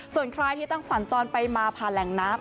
ส่วนใครที่ต้องสัญจรไปมาผ่านแหล่งน้ำ